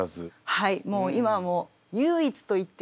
はい。